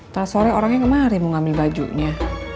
tersore orangnya kemari mau ngambil bajunya